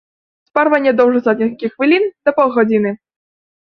Спарванне доўжыцца ад некалькіх хвілін да паўгадзіны.